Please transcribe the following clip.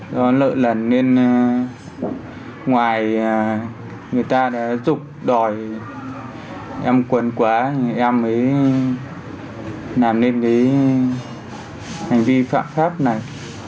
do lợi lần nên ngoài người ta đã dục đòi em quần quá thì em mới làm nên cái hành vi phạm pháp này